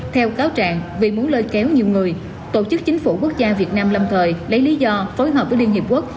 theo cáo trạng vì muốn lôi kéo nhiều người tổ chức chính phủ quốc gia việt nam lâm thời lấy lý do phối hợp với liên hiệp quốc